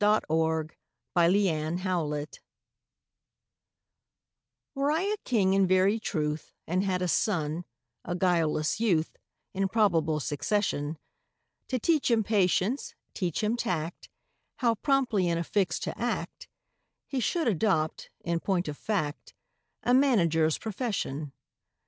A MANAGER'S PERPLEXITIES WERE I a king in very truth, And had a son—a guileless youth— In probable succession; To teach him patience, teach him tact, How promptly in a fix to act, He should adopt, in point of fact, A manager's profession.